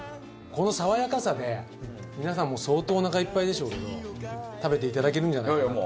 この爽やかさで皆さんも相当おなかいっぱいでしょうけど食べていただけるんじゃないかなと。